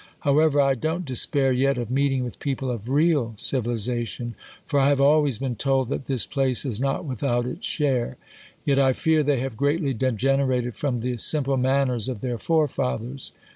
However, I don't despair yet of meeting with people of real civilization ; for I have always been told that this place is not without its share. Yet I fear they have greatly degenerated from the simple manners of their forefathers.